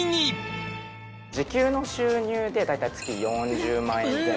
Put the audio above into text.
時給の収入で大体月４０万円前後。